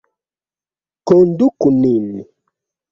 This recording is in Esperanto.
Konduku nin!